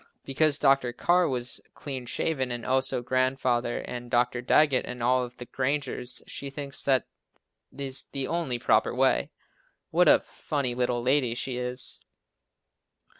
Because Dr. Carr was clean shaven and also Grandfather and Dr. Daggett, and all of the Grangers, she thinks that is the only proper way. What a funny little lady she is!